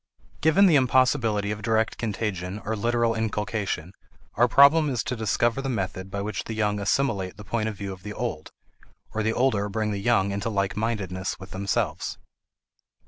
Given the impossibility of direct contagion or literal inculcation, our problem is to discover the method by which the young assimilate the point of view of the old, or the older bring the young into like mindedness with themselves.